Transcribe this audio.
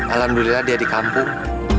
alhamdulillah dia di kampung